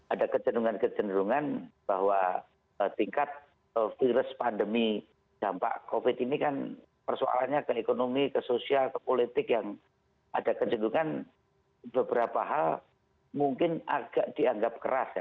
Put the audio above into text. ada kecenderungan kecenderungan bahwa tingkat virus pandemi dampak covid ini kan persoalannya ke ekonomi ke sosial ke politik yang ada kecenderungan beberapa hal mungkin agak dianggap keras ya